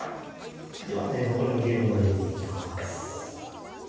では残りの牛乳も入れていきます